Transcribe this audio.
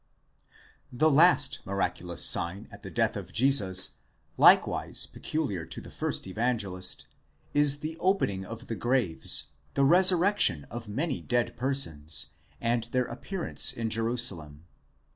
® ᾿ς The last miraculous sign at the death of Jesus, likewise peculiar to the first Evangelist, is the opening of the graves, the resurrection of many dead persons, and their appearance in Jerusalem.